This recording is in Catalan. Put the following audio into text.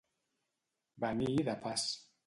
Venir de pas.